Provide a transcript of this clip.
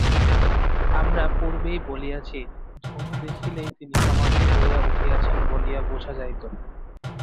আমরা পূর্বেই বলিয়াছি, ধূম দেখিলেই তিনি সমাধি হইতে উঠিয়াছেন বলিয়া বুঝা যাইত।